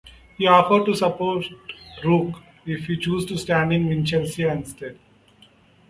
He offered to support Rooke if he chose to stand in Winchelsea instead.